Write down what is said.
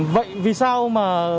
vậy vì sao mà